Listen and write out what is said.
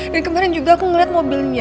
dan kemarin juga aku ngeliat mobilnya